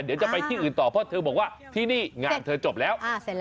เดี๋ยวจะไปที่อื่นต่อเพราะเธอบอกว่าที่นี่งานเธอจบแล้ว